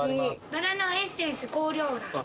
バラのエッセンス香料が。